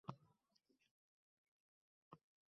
Qarilar ko‘p gapiradi.